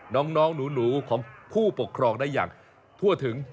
น้องหนูของผู้ปกครองได้อย่างทั่วถึง